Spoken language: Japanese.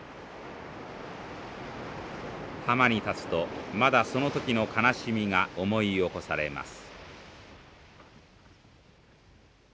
浜に立つとまだその時の悲しみが思い起こされます。